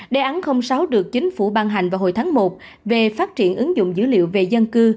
đề án sáu được chính phủ ban hành vào hồi tháng một về phát triển ứng dụng dữ liệu về dân cư